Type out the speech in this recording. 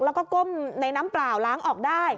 แล้วก็ก้มในน้ำเปล่าล้างออกได้